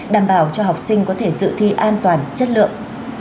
đảm bảo cho học sinh có thể dự thi an toàn chất lượng